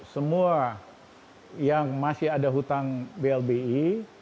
semua yang masih ada hutang blbi